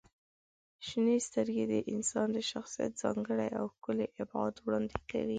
• شنې سترګې د انسان د شخصیت ځانګړی او ښکلی ابعاد وړاندې کوي.